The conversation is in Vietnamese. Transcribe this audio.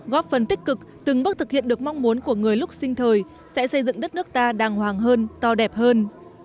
góp phần tích cực từng bước thực hiện được mong muốn của người lúc sinh thời sẽ xây dựng đất nước ta đàng hoàng hơn to đẹp hơn